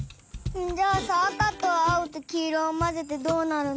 じゃあさあかとあおときいろをまぜてどうなるのかさ。